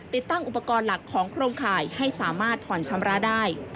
ติดตั้งอุปกรณ์หลักของโครงข่ายให้สามารถผ่อนชำระได้